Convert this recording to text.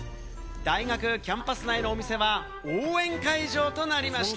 大学キャンパス内のお店は応援会場となりました。